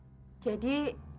balas dendam jadi